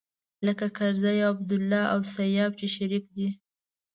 لکه کرزی او عبدالله او سياف چې شريک دی.